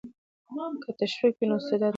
که تشویق وي نو استعداد نه مري.